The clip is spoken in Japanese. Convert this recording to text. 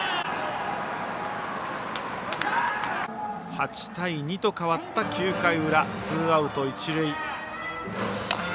８対２と変わった９回の裏ツーアウト一塁。